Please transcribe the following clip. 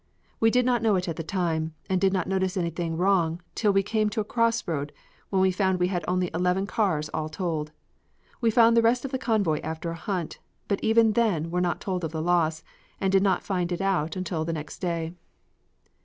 We did not know it at the time, and did not notice anything wrong till we came to a crossroad when we found we had only eleven cars all told. We found the rest of the convoy after a hunt, but even then were not told of the loss, and did not find it out until the next day.